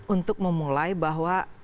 untuk memulai bahwa